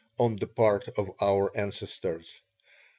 on the part of our ancestors.